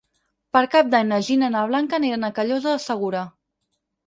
Per Cap d'Any na Gina i na Blanca aniran a Callosa de Segura.